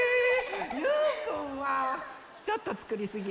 ゆうくんはちょっとつくりすぎ。